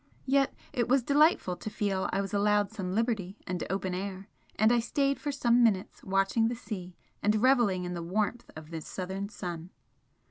Yet it was delightful to feel I was allowed some liberty and open air, and I stayed for some minutes watching the sea and revelling in the warmth of the southern sun.